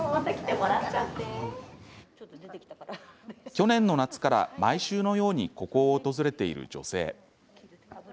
去年の夏から、毎週のようにここを訪れている女性。